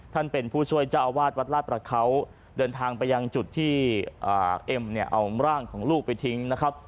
ท่านเป็นผู้ช่วยเจ้าอาวาสวัดลาดประเขาเดินทางไปยังจุดที่เอ็มเนี่ยเอาร่างของลูกไปทิ้งนะครับ